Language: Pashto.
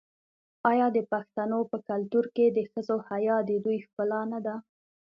آیا د پښتنو په کلتور کې د ښځو حیا د دوی ښکلا نه ده؟